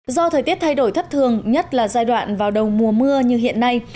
do thời tiết thay đổi thất thường nhất là giai đoạn vào đầu mùa mưa như hiện nay